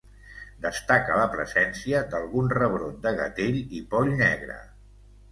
Destaca la presència d'algun rebrot de gatell i poll negre.